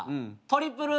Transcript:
トリプル